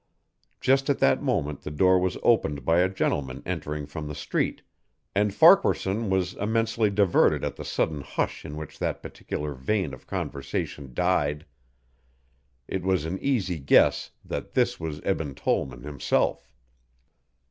Just at that moment the door was opened by a gentleman entering from the street, and Farquaharson was immensely diverted at the sudden hush in which that particular vein of conversation died. It was an easy guess that this was Eben Tollman himself.